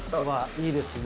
いいですね。